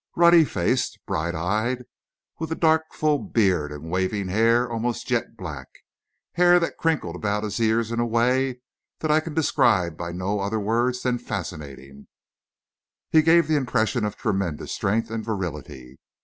Ruddy faced, bright eyed, with dark full beard and waving hair almost jet black hair that crinkled about his ears in a way that I can describe by no other word than fascinating he gave the impression of tremendous strength and virility.